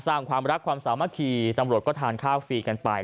สร้างความรักความสามัคคีตำรวจก็ทานข้าวฟรีกันไป